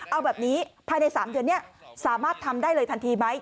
เอาแบบนี้ภายใน๓เดือนนี้สามารถทำได้เลยทันทีไหม